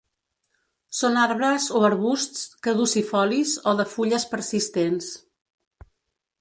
Són arbres o arbusts caducifolis o de fulles persistents.